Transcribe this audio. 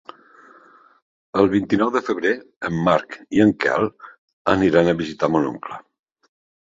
El vint-i-nou de febrer en Marc i en Quel aniran a visitar mon oncle.